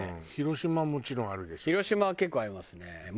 広島は結構ありますね。